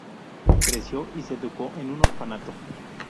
Creció y se educó en un orfanato.